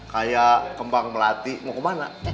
kayak kembang melati mau kemana